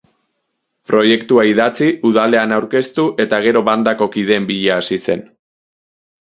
Proiektua idatzi, udalean aurkeztu eta gero bandako kideen bila hasi zen.